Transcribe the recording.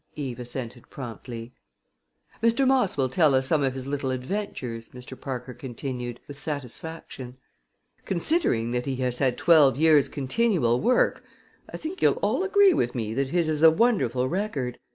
Eve assented promptly. "Mr. Moss will tell us some of his little adventures," Mr. Parker continued, with satisfaction. "Considering that he has had twelve years' continual work, I think you'll all agree with me that his is a wonderful record.